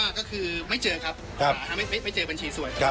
แต่ว่าก็คือไม่เจอครับครับไม่เจอบัญชีสวยครับ